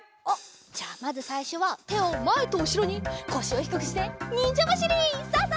じゃあまずさいしょはてをまえとうしろにこしをひくくしてにんじゃばしり。ササササササ。